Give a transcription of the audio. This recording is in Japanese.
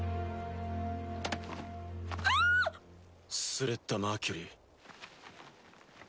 スレッタ・マーキュリー。